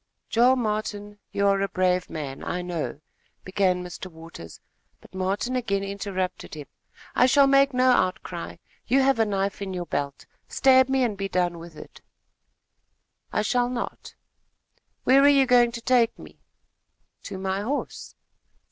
"Joel Martin, you are a brave man, I know, " began Mr. Waters; but Martin again interrupted him with: "I shall make no outcry. You have a knife in your belt. Stab me, and be done with it." "I shall not." "Where are you going to take me?" "To my horse."